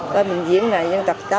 coi mình diễn này dân tộc trâm